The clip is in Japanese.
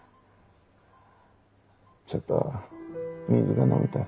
ちょっと水が飲みたい。